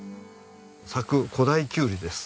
佐久古太きゅうりです。